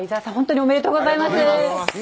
おめでとうございます。